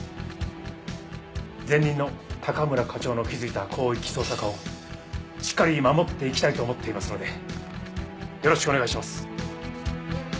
前任の高村課長の築いた広域捜査課をしっかり守っていきたいと思っていますのでよろしくお願いします。